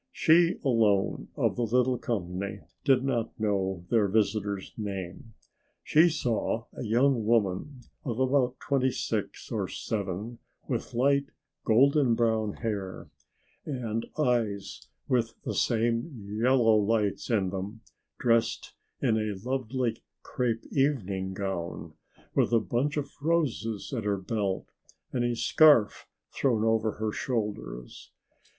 She alone of the little company did not know their visitor's name. She saw a young woman of about twenty six or seven with light golden brown hair and eyes with the same yellow lights in them, dressed in a lovely crepe evening gown with a bunch of roses at her belt and a scarf thrown over her shoulders.